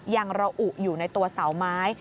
ยังระอุอยู่ในตัวเสาไม้